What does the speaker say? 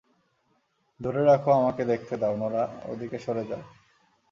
ধরে রাখ আমাকে দেখতে দাও, নোরা, ওদিকে সরে যাও।